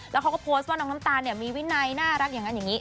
แล้วเขาก็โพสต์ว่าน้องน้ำตาลมีวินัยน่ารักอย่างนั้นอย่างนี้